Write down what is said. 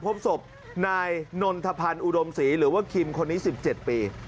พบศพนายนนทพันธ์อุดมศรีหรือว่าคิมคนนี้๑๗ปี